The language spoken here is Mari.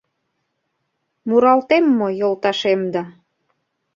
Муралтем мо, йолташем да